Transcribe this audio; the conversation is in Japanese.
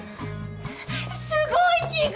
えっすごい奇遇！